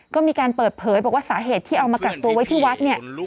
ก็มีการเปิดเผยบอกว่าสาเหตุที่เอามากักตัวไว้ที่วัดเนี่ย